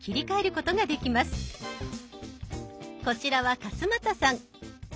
こちらは勝俣さん。